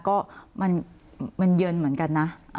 ก็มันเย็นเหมือนกันนะ